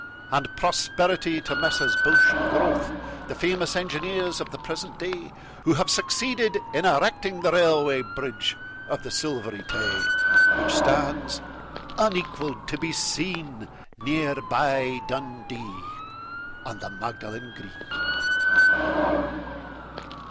And prosperity to Messrs Bouche and Grothe, The famous engineers of the present day, Who have succeeded in erecting The Railway Bridge of the Silvery Tay, Which stands unequalled to be seen Near by Dundee and the Magdalen Green.